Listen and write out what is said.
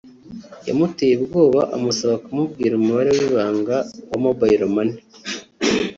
yamuteye ubwoba amusaba kumubwira umubare w’ibanga wa Mobile Money